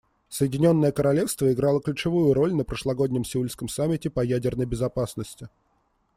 Соединенное Королевство играло ключевую роль на прошлогоднем сеульском саммите по ядерной безопасности.